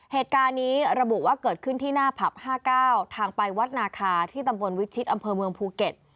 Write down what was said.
เหตุการณ์นี้ระบุว่าเกิดขึ้นที่หน้าผับ๕๙ทางไปวัดนาคาที่ตำบลวิชิตอำเภอเมืองภูเก็ต